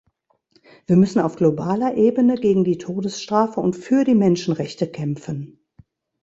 Wir müssen auf globaler Ebene gegen die Todesstrafe und für die Menschenrechte kämpfen.